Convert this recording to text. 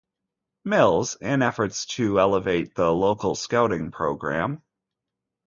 Mills, in efforts to elevate the local Scouting program.